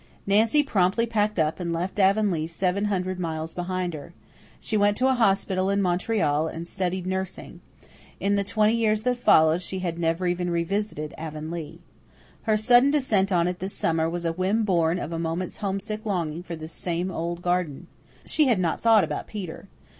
Nancy promptly packed up and left Avonlea seven hundred miles behind her. She went to a hospital in Montreal and studied nursing. In the twenty years that followed she had never even revisited Avonlea. Her sudden descent on it this summer was a whim born of a moment's homesick longing for this same old garden. She had not thought about Peter.